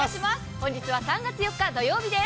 本日は３月４日土曜日です。